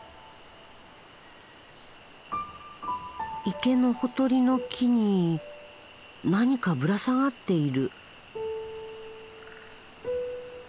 池のほとりの木に何かぶら下がっている。